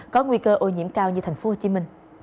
có nguy cơ ô nhiễm cao như tp hcm